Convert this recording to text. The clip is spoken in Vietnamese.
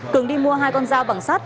cường đi mua hai con dao bằng sát